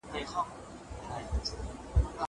زه اجازه لرم چي چپنه پاک کړم.